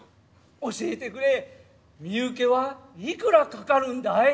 教えてくれ身請けはいくらかかるんだい？